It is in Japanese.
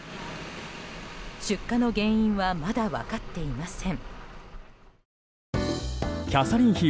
出火の原因はまだ分かっていません。